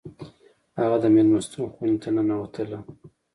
هغه د میلمستون خونې ته ننوتله